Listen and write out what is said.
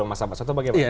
masalah satu bagi masalah